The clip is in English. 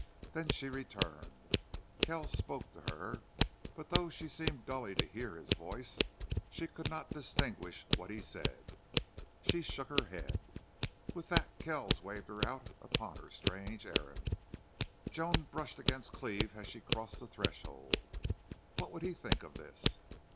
Then she returned. Kells spoke to her, but, though she seemed dully to hear his voice, she could not distinguish what he said. She shook her head. With that Kells waved her out upon her strange errand. Joan brushed against Cleve as she crossed the threshold. What would he think of this?